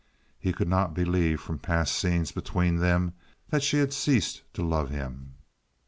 He could not believe from past scenes between them that she had ceased to love him.